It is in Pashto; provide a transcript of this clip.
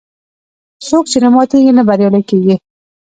څوک چې نه ماتیږي، نه بریالی کېږي.